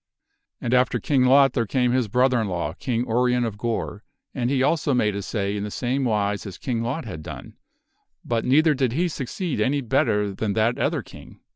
And after King Lot there came his brother in law, King Urien of Gore, and he also made assay in the same wise as King Lot had done. But neither did he succeed any better than that other king.